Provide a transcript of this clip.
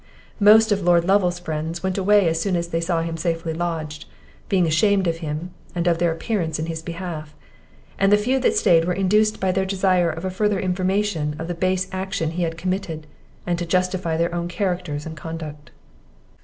Most of Lord Lovel's friends went away as soon as they saw him safely lodged, being ashamed of him, and of their appearance in his behalf; and the few that stayed were induced by their desire of a further information of the base action he had committed, and to justify their own characters and conduct.